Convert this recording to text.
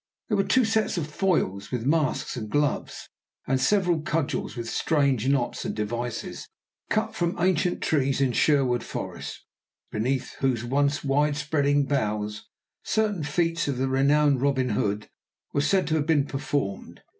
There were two sets of foils with masks and gloves, and several cudgels with strange knots and devices, cut from ancient trees in Sherwood Forest, beneath whose once wide spreading boughs certain feats of the renowned Robin Hood were said to have been performed.